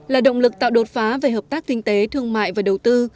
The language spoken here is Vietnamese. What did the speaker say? là động lực tạo đột phá về hợp tác kinh tế thương mại và đầu tư